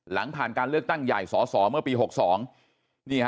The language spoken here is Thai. หลังผ่านการเลือกตั้งใหญ่สอสอเมื่อปี๖๒